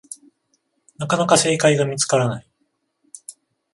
なかなか正解が見つからない